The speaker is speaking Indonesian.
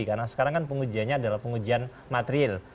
karena sekarang kan pengujiannya adalah pengujian material